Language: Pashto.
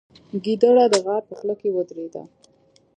ګیدړه د غار په خوله کې ودرېده.